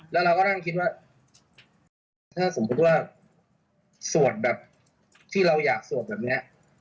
แล้วเราก็นั่งคิดว่าถ้าสมมุติว่าสวดแบบที่เราอยากสวดแบบนี้